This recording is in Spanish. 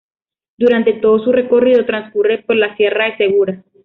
Durante todo su recorrido transcurre por la Sierra de Segura.